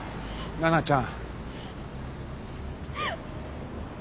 奈々ちゃん。